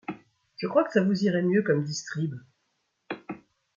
Je crois que ça vous irait mieux comme distrib. ..